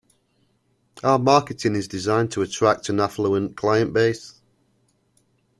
Our marketing is designed to attract an affluent client base.